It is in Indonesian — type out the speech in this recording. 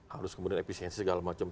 harus kemudian efisiensi segala macam